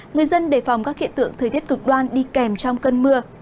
người dân đề phòng các hiện tượng thời tiết cực đoan đi kèm trong cơn mưa